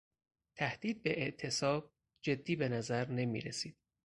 تهدید به اعتصاب جدی به نظر نمیرسید.